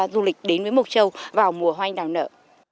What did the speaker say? du lịch đến với mộc châu vào mùa hoa anh đào nở